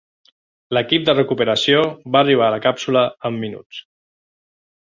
L'equip de recuperació va arribar a la càpsula en minuts.